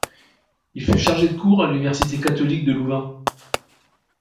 Il fut chargé de cours à l'université catholique de Louvain.